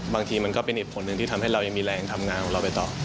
บางทีมันก็เป็นเหตุผลหนึ่งที่ทำให้เรายังมีแรงทำงานของเราไปต่อ